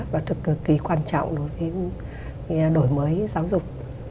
và thực cực kỳ quan trọng đối với đổi mới giáo dục